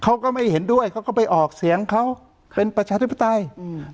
เขาก็ไม่เห็นด้วยเขาก็ไปออกเสียงเขาเป็นประชาธิปไตยอืม